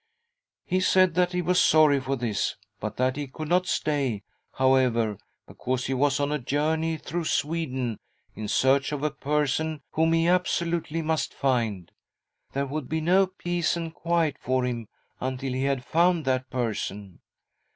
" He said that he was sorry for this, but that he 4 ■'■■'~;' f ._: 94 THY SOUL SHALL BEAR WITNESS ! could not stay, however, because he was on a journey through Sweden in search of a person whom he absolutely must find. There would be no peace and quiet for him until he had found that person.